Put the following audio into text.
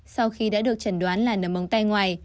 sau khi đã được trần đoán là nấm ống tay ngoài